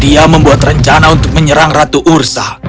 dia membuat rencana untuk menyerang ratu ursa